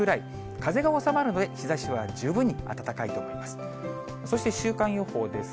風が収まるので、日ざしは十分に暖かいと思います。